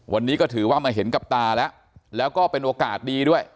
วันนี้ก็ถือว่ามาเห็นกับตาแล้วแล้วก็เป็นโอกาสดีด้วย